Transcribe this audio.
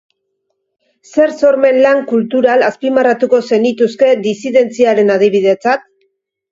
Zer sormen lan kultural azpimarratuko zenituzke disidentziaren adibidetzat?